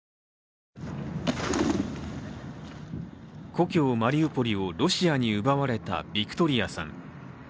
故郷マリウポリをロシアに奪われたビクトリアさん。